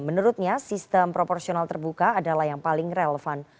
menurutnya sistem proporsional terbuka adalah yang paling relevan